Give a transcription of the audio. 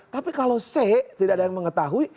tapi kalau c tidak ada yang mengetahui